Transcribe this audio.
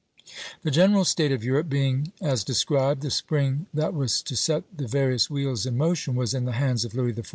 The general state of Europe being as described, the spring that was to set the various wheels in motion was in the hands of Louis XIV.